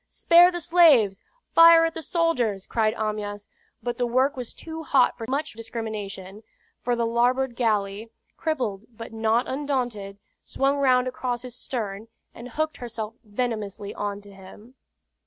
"Spare the slaves! Fire at the soldiers!" cried Amyas; but the work was too hot for much discrimination, for the larboard galley, crippled but not undaunted, swung round across his stern, and hooked herself venomously on to him.